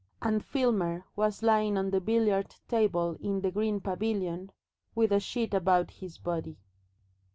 And Filmer was lying on the billiard table in the green pavilion with a sheet about his body.